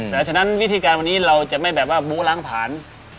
เพราะฉะนั้นวิธีการวันนี้เราจะไม่แบบว่าบู้ล้างผ่าน